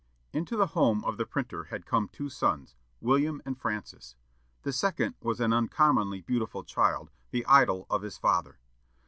Into the home of the printer had come two sons, William and Francis. The second was an uncommonly beautiful child, the idol of his father.